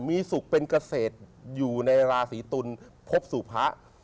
มีสุขเป็นเกษตรอยู่ในราศีตุลพบสู่พระ